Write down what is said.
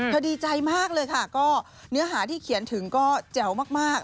ดีใจมากเลยค่ะก็เนื้อหาที่เขียนถึงก็แจ๋วมาก